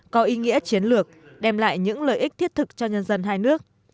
có ý nghĩa chiến lược đem lại những lợi ích thiết thực cho nhân dân hai nước